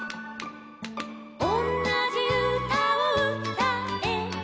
「おんなじうたをうたえば」